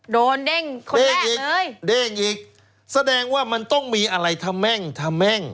โดนเด้งคนแรกเลยเด้งอีกเด้งอีกแสดงว่ามันต้องมีอะไรทำแม่งทำแม่ง